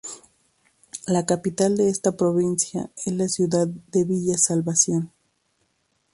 La capital de esta provincia es la ciudad de Villa Salvación.